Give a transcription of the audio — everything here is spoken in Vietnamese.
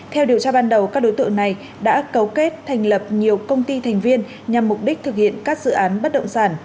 theo điều tra ban đầu các đối tượng này đã cấu kết thành lập nhiều công ty thành viên nhằm mục đích thực hiện các dự án bất động sản